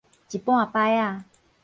一半擺仔